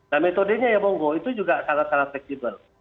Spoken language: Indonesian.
nah metodenya ya monggo itu juga sangat sangat fleksibel